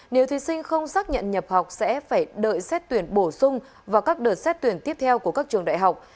nếu thí sinh không xác nhận nhập học sẽ phải đợi xét tuyển bổ sung vào các đợt xét tuyển tiếp theo của các trường đại học